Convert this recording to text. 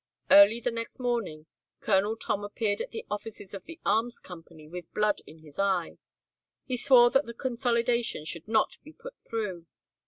Early the next morning Colonel Tom appeared at the offices of the arms company with blood in his eye, and swore that the consolidation should not be put through.